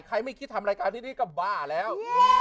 ไม่คิดทำรายการที่นี่ก็บ้าแล้ว